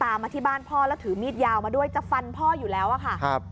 มาที่บ้านพ่อแล้วถือมีดยาวมาด้วยจะฟันพ่ออยู่แล้วอะค่ะครับ